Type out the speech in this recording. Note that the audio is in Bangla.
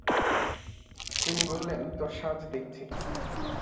তিনি বললেন, তোর সাজ দেখছি।